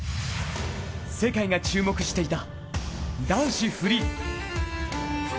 世界が注目していた男子フリー。